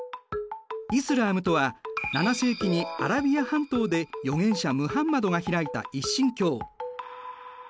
イスラームとは７世紀にアラビア半島で預言者ムハンマドがひらいた一神教。